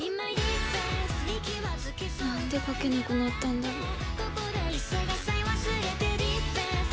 なんで書けなくなったんだろう。